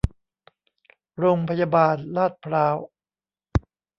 โรงพยาบาล ลาดพร้าว